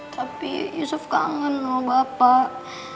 tapi yusuf kangen sama bapak